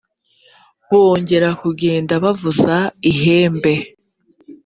bongera kugenda bavuza ihembe.